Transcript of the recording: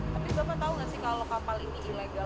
tapi bapak tahu nggak sih kalau kapal ini ilegal